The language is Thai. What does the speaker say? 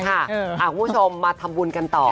คุณผู้ชมมาทำบุญกันต่อ